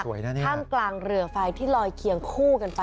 ท่ามกลางเรือไฟที่ลอยเคียงคู่กันไป